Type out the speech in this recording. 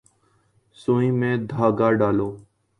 سوئی میں دھاگہ ڈالو